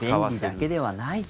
便利だけではないと。